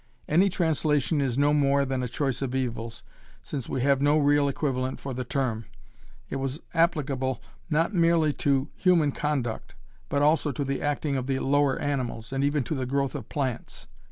Any translation is no more than a choice of evils, since we have no real equivalent for the term. It was applicable not merely to human conduct, but also to the acting of the lower animals, and even to the growth of plants.